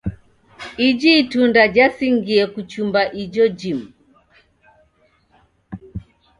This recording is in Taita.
Iji itunda jasingie kuchumba ijo jimu.